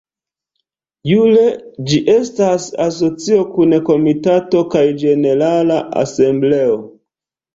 Jure ĝi estas asocio kun Komitato kaj Ĝenerala Asembleo.